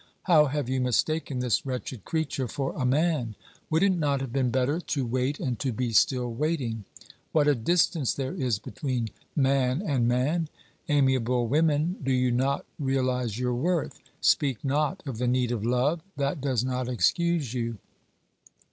How have you mistaken this wretched creature for a man ? Would it not have been better to wait and to be still waiting? What a distance there is between man and man ! Amiable women, do you not realise your worth ? Speak not of the need of love, that does not excuse you